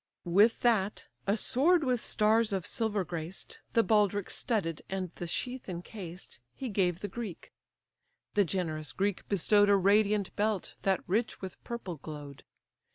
'" With that, a sword with stars of silver graced, The baldric studded, and the sheath enchased, He gave the Greek. The generous Greek bestow'd A radiant belt that rich with purple glow'd.